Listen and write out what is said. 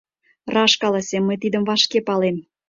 Раш каласем: мый тидым вашке палем.